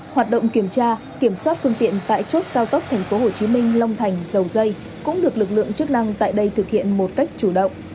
hoạt động kiểm tra kiểm soát phương tiện tại chốt cao tốc thành phố hồ chí minh long thành dầu dây cũng được lực lượng chức năng tại đây thực hiện một cách chủ động